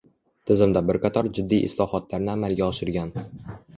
Tizimda bir qator jiddiy islohotlarni amalga oshirgan